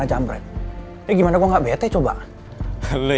saya tidak ingin ada yang saya tarik dumlaus